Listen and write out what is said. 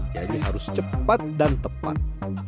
jadi harus cepat dan tepat